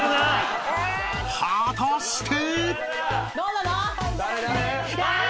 ［果たして？］